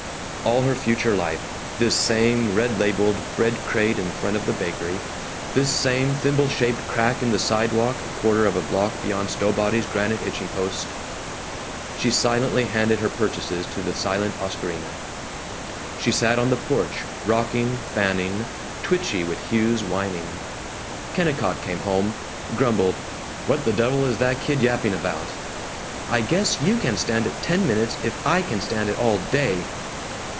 All her future life, this same red labeled bread crate in front of the bakery, this same thimble shaped crack in the sidewalk a quarter of a block beyond Stowbody's granite hitching post She silently handed her purchases to the silent Oscarina. She sat on the porch, rocking, fanning, twitchy with Hugh's whining. Kennicott came home, grumbled, "What the devil is the kid yapping about?" "I guess you can stand it ten minutes if I can stand it all day!"